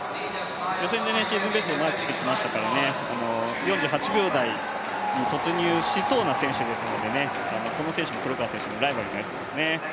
予選でシーズンベストをマークしてきましたからね、４８秒台に突入しそうな選手ですのでこの選手も黒川選手のライバルになると思いますね。